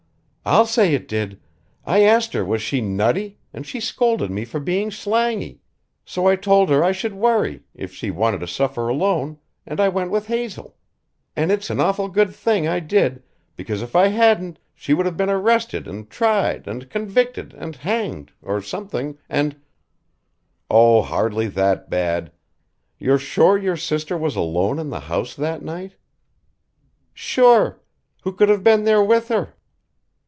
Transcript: "I'll say it did. I asked her was she nutty and she scolded me for being slangy. So I told her I should worry if she wanted to suffer alone, and I went with Hazel. And it's an awful good thing I did, because if I hadn't she would have been arrested and tried and convicted and hanged or something, and " "Oh! hardly that bad. You're sure your sister was alone in the house that night?" "Sure. Who could have been there with her?"